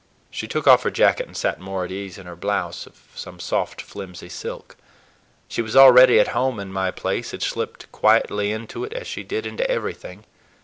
She took off her jacket and sat more at ease in her blouse, of some soft, flimsy silk. She was already at home in my place, had slipped quietly into it, as she did into everything.